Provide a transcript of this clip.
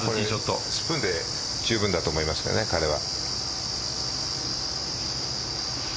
スプーンで十分だと思いますね、彼は。